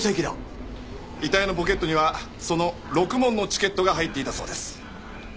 遺体のポケットにはそのろくもんのチケットが入っていたそうです。